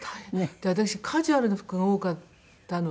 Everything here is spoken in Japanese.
私カジュアルな服が多かったので。